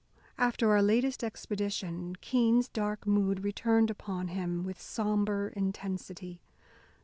After our latest expedition Keene's dark mood returned upon him with sombre intensity.